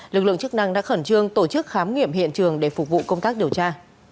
lực lượng chức năng đã khẩn trương tổ chức khám nghiệm hiện trường để phục vụ công tác điều tra